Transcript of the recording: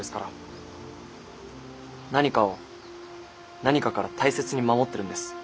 何かを何かから大切に守ってるんです。